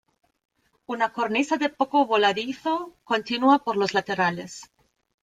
Una cornisa de poco voladizo continúa por los laterales.